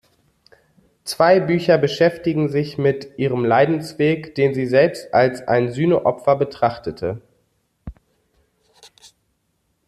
Zwei Bücher beschäftigen sich mit ihrem Leidensweg, den sie selbst als ein Sühne-Opfer betrachtete.